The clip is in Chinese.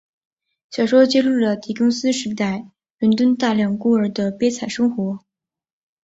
小说揭露了狄更斯时代伦敦大量孤儿的悲惨生活。